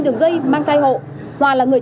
chú tại hà nội